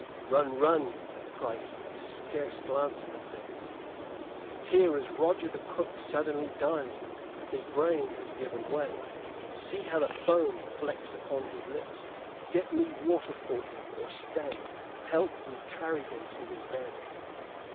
"Run, run," cried he, scarce glancing at them. "Here is Roger the cook suddenly dying. His brain has given way. See how the foam flecks upon his lips. Get me water for him. Or stay, help me carry him to his bed."